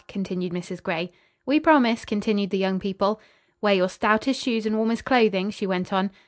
continued Mrs. Gray. "We promise," continued the young people. "Wear your stoutest shoes and warmest clothing," she went on.